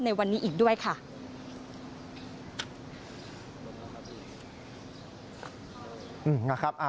ในวันนี้อีกด้วยค่ะ